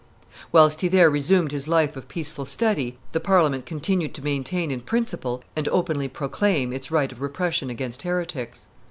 Whilst he there resumed his life of peaceful study, the Parliament continued to maintain in principle and openly proclaim its right of repression against heretics.